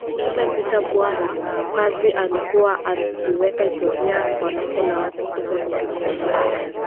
Kila vita bwana Pazi alikuwa akiweka historia kwa lengo la Watu kuja kujifunza